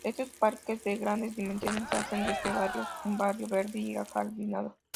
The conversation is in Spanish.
Estos parques de grandes dimensiones, hacen de este barrio un barrio verde y ajardinado.